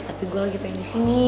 tapi gue lagi pengen disini